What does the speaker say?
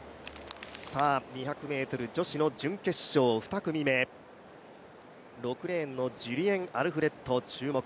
２００ｍ女子の準決勝２組目、６レーンのジュリエン・アルフレッド注目。